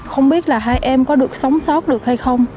không biết là hai em có được sống sót được hay không